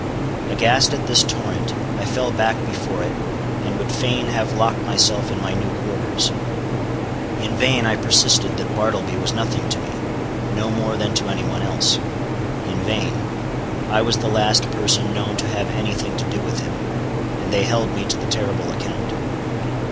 Aghast at this torrent, I fell back before it, and would fain have locked myself in my new quarters. In vain I persisted that Bartleby was nothing to me—no more than to any one else. In vain:—I was the last person known to have any thing to do with him, and they held me to the terrible account.